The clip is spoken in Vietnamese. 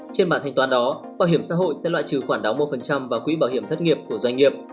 trên bản thanh toán đó bảo hiểm xã hội sẽ loại trừ khoản đóng một vào quỹ bảo hiểm thất nghiệp của doanh nghiệp